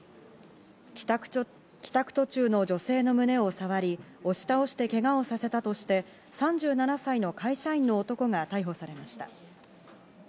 帰宅途中の女性の胸を触り、押し倒してけがをさせたとして３７歳の会社員の男が逮捕されました。